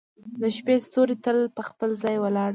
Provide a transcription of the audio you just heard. • د شپې ستوري تل په خپل ځای ولاړ وي.